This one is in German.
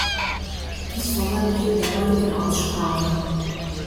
Dies fordern wir in der heutigen Aussprache.